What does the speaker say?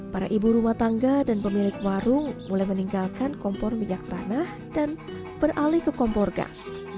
para ibu rumah tangga dan pemilik warung mulai meninggalkan kompor minyak tanah dan beralih ke kompor gas